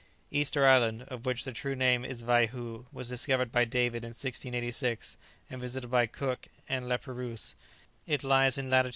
Easter Island, of which the true name is Vai Hoo, was discovered by David in 1686 and visited by Cook and Lapérouse. It lies in lat.